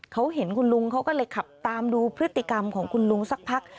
เขาเห็นคุณลุงเขาก็เลยขับตามดูพฤติกรรมของคุณลุงสักพัก